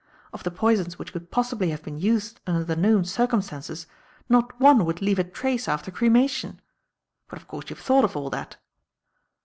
Of the poisons which could possibly have been used under the known circumstances, not one would leave a trace after cremation. But, of course, you've thought of all that."